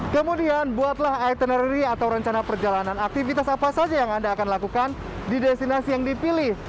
kemudian buatlah itinerary atau rencana perjalanan aktivitas apa saja yang anda akan lakukan di destinasi yang dipilih